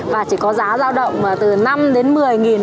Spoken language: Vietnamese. và chỉ có giá giao động từ năm đến một mươi